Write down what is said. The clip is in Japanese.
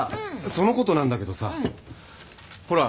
そのことなんだけどさ。ほら。